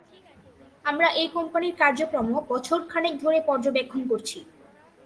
আমরা এই কোম্পানির কার্যক্রম বছরখানেক ধরে পর্যবেক্ষণ করছি।